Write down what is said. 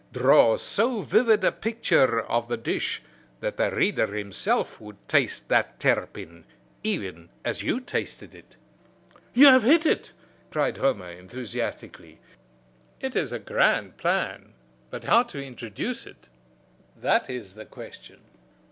"Draw so vivid a picture of the dish that the reader himself would taste that terrapin even as you tasted it." "You have hit it!" cried Homer, enthusiastically. "It is a grand plan; but how to introduce it that is the question."